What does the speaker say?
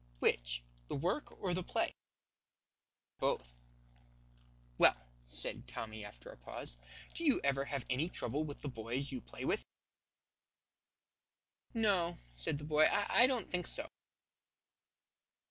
"Which, the work or the play?" "Both." "Well," said Tommy after a pause, "do you ever have any trouble with the boys you play with?" "No," said the boy, "I don't think I do."